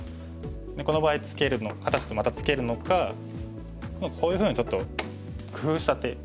この場合果たしてまたツケるのかこういうふうにちょっと工夫した手。